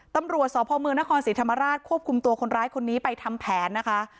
ตำรวจสพเมืองนครศรีธรรมราชควบคุมตัวคนร้ายคนนี้ไปทำแผนนะคะ